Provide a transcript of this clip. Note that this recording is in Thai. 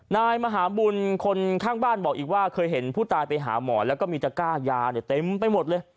นายมหาบุญคนข้างบ้านบอกอีกว่าเคยเห็นผู้ตายไปหาหมอแล้วก็มีตะก้ายาเนี่ยเต็มไปหมดเลย